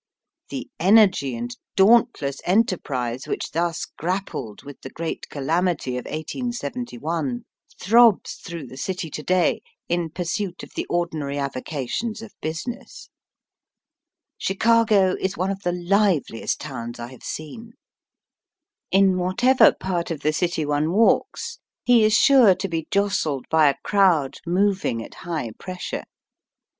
'' The energy and dauntless enterprise which thus grappled with the great calamity of 1871 throbs through the city to day in pursuit of the ordinary avocations of business. Chicago is one of the hveliest towns I have seen. In whatever part of the city one walks, he is Digitized by VjOOQIC 40 EAST BY WEST. sure to be jostled by a crowd moving at high pressure.